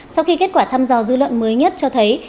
sau khi kết quả thăm dò dư luận mới nhất cho thấy